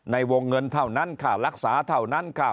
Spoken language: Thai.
ในวงเงินเท่านั้นค่ารักษาเท่านั้นค่า